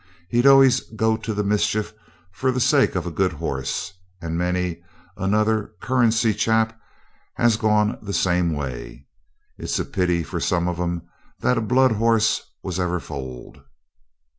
He'd always go to the mischief for the sake of a good horse, and many another 'Currency' chap has gone the same way. It's a pity for some of 'em that a blood horse was ever foaled.